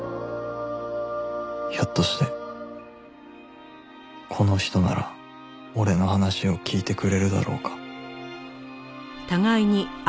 ひょっとしてこの人なら俺の話を聞いてくれるだろうか